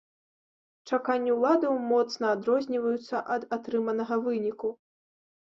Чаканні уладаў моцна адрозніваюцца ад атрыманага выніку.